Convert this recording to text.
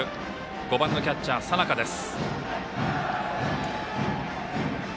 ５番のキャッチャー、佐仲です。